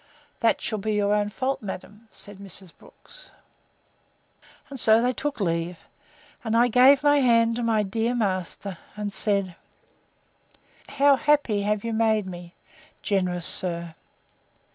That shall be your own fault, madam, said Mrs. Brooks. And so they took leave; and I gave my hand to my dear master, and said, How happy have you made me, generous sir!